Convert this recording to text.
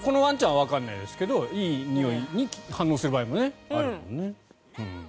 このワンちゃんはわからないけれどいいにおいに反応する場合もあるもんね。